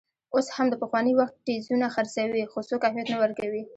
اوس هم د پخواني وخت ټیزونه خرڅوي، خو څوک اهمیت نه ورکوي.